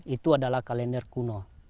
itu adalah kalender kuno